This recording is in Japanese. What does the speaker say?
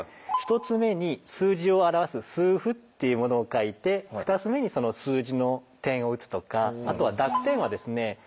１つ目に数字を表す数符っていうものを書いて２つ目にその数字の点を打つとかあとは濁点はですね